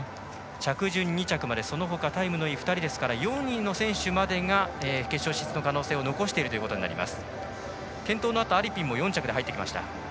着順２着まで、そのほかタイムのいい２人ですから４位の選手までが決勝進出の可能性を残しているということになります。